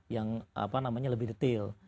yang apa namanya lebih detail